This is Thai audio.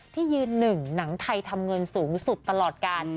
ที่ยืนหนึ่งหนังไทยทำเงินสูงสุดตลอดการ